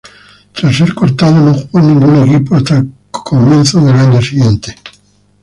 Tras ser cortado, no jugó en ningún equipo hasta comienzos del año siguiente.